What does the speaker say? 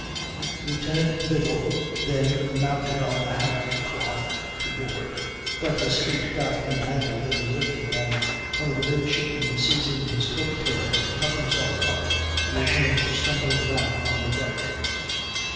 Lieutenant Biddle then mounted on the hammock cloth to board, but his feet got entangled in the rigging, and one of the midshipmen seizing his coat tails to help himself up, the lieutenant tumbled back on the deck.